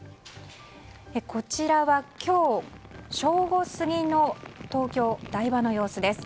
こちらは今日正午過ぎの東京・台場の様子です。